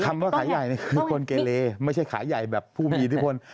ว่าขายใหญ่นี่คือคนเกเลไม่ใช่ขายใหญ่แบบผู้มีอิทธิพล